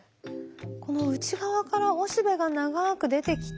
この内側からおしべが長く出てきて。